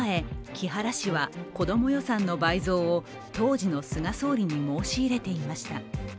木原氏は子ども予算の倍増を当時の菅総理に申し入れていました。